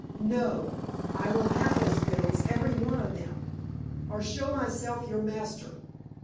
No; I will have those bills, every one of them, or show myself your master.